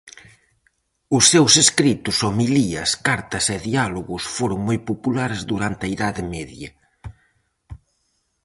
Os seus escritos, homilías, cartas e Diálogos foron moi populares durante a Idade Media.